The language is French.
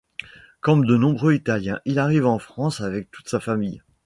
Comme de nombreux italiens, il arrive en France avec toute sa famille.